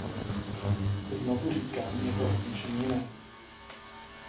Znovu říkám, je to o něčem jiném.